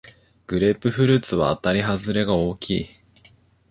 グレープフルーツはあたりはずれが大きい